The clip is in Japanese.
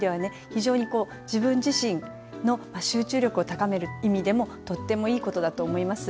非常に自分自身の集中力を高める意味でもとってもいい事だと思います。